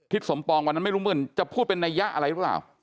ทิศสมปองวันนั้นไม่รู้มึงจะพูดเป็นนัยะอะไรรึเปล่า